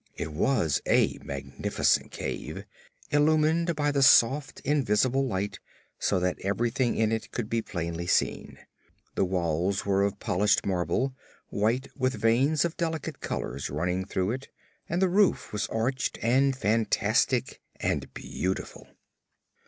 It was a magnificent cave, illumined by the soft, invisible light, so that everything in it could be plainly seen. The walls were of polished marble, white with veins of delicate colors running through it, and the roof was arched and fantastic and beautiful.